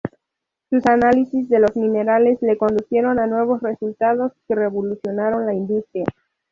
Sus análisis de los minerales le condujeron a nuevos resultados que revolucionaron la industria.